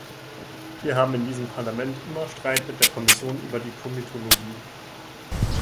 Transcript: Wir haben in diesem Parlament immer Streit mit der Kommission über die Komitologie.